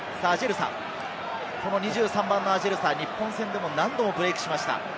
２３番・アジェルサ、日本戦でも何度もブレークしました。